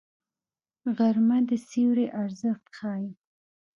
غرمه د سیوري ارزښت ښيي